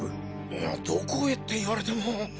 いやどこへって言われても。